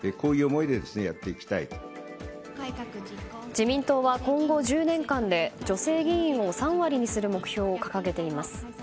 自民党は、今後１０年間で女性議員を３割にする目標を掲げています。